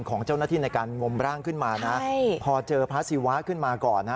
ของเจ้าหน้าที่ในการงมร่างขึ้นมานะพอเจอพระศิวะขึ้นมาก่อนนะ